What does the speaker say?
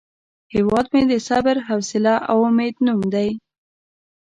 هیواد مې د صبر، حوصله او امید نوم دی